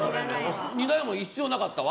２台も必要なかってん。